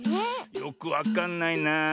よくわかんないな。